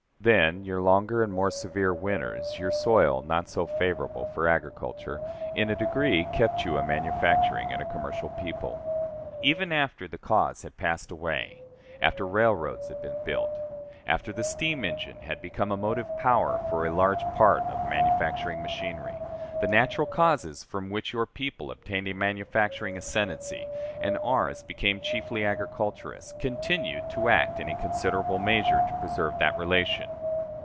Then your longer and more severe winters, your soil not so favorable for agriculture, in a degree kept you a manufacturing and a commercial people. Even after the cause had passed away after railroads had been built after the steam engine had become a motive power for a large part of manufacturing machinery, the natural causes from which your people obtained a manufacturing ascendancy and ours became chiefly agriculturists continued to act in a considerable measure to preserve that relation.